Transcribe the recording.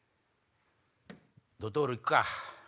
ドトール行くか。